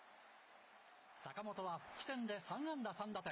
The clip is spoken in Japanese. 坂本は復帰戦で３安打３打点。